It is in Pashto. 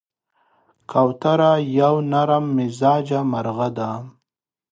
کوتره یو نرممزاجه مرغه ده.